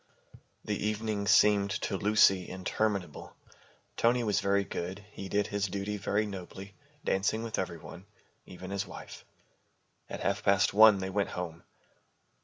The evening seemed to Lucy interminable. Tony was very good. He did his duty very nobly, dancing with every one, even his wife. At half past one they went home.